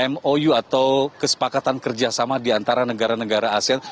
mou atau kesepakatan kerjasama di antara negara negara asean